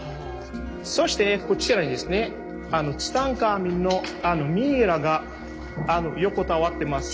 そしてこちらにですねツタンカーメンのミイラが横たわってます。